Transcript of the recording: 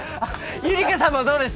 ゆりかさんもどうです？